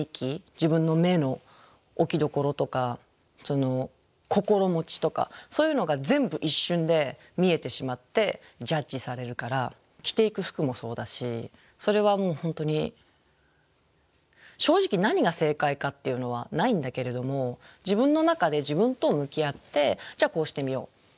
自分の目の置き所とか心持ちとかそういうのが全部一瞬で見えてしまってジャッジされるから着ていく服もそうだしそれはもう本当に正直何が正解かっていうのはないんだけれども自分の中で自分と向き合ってじゃあこうしてみよう。